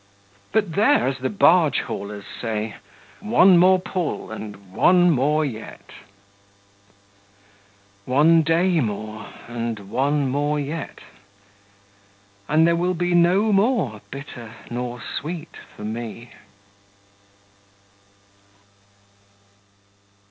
But there, as the barge haulers say, 'One more pull, and one more yet,' one day more, and one more yet, and there will be no more bitter nor sweet for me.